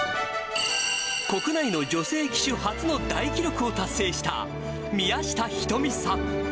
国内の女性騎手初の大記録を達成した、宮下瞳さん。